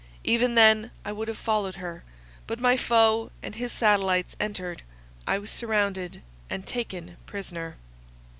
Even then I would have followed her; but my foe and his satellites entered; I was surrounded, and taken prisoner.